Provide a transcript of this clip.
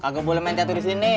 kagak boleh main catur di sini